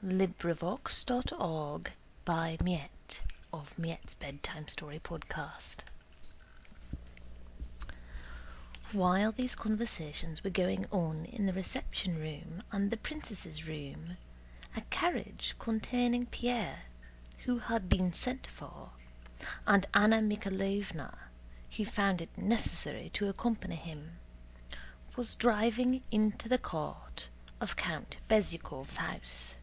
But I will give her a piece of my mind. The time will come!" CHAPTER XXII While these conversations were going on in the reception room and the princess' room, a carriage containing Pierre (who had been sent for) and Anna Mikháylovna (who found it necessary to accompany him) was driving into the court of Count Bezúkhov's house.